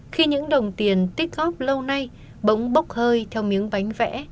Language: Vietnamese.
khi những đồng tiền tích góp lâu nay bỗng bốc hơi theo miếng bánh vẽ